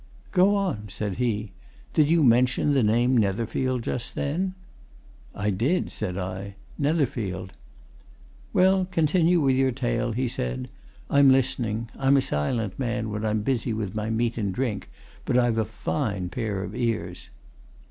"Go on!" said he. "Did you mention the name Netherfield just then?" "I did," said I. "Netherfield." "Well, continue with your tale," he said. "I'm listening. I'm a silent man when I'm busy with my meat and drink, but I've a fine pair of ears."